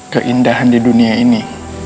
keindahan di dunia ini